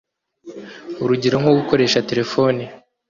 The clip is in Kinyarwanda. urugero nko gukoresha telephone